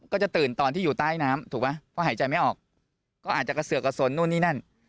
ก็จะตื่นตอนที่อยู่ใต้น้ำถูกไหมเพราะหายใจไม่ออกก็อาจจะกระเสือกกระสนนู่นนี่นั่น